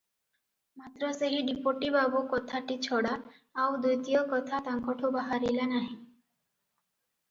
ମାତ୍ର ସେହି ଡିପୋଟି ବାବୁ କଥାଟି ଛଡ଼ା ଆଉ ଦ୍ୱିତୀୟ କଥା ତାଙ୍କଠୁ ବାହାରିଲା ନାହିଁ ।